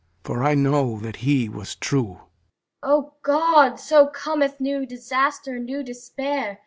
For I know that he was true! LEADER O God, so cometh new disaster, new Despair!